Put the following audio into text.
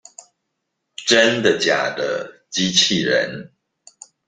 真的假的機器人